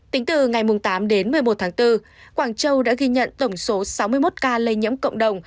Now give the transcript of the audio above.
tính từ ngày tám đến một mươi một tháng bốn quảng châu đã ghi nhận tổng số sáu mươi một ca lây nhiễm cộng đồng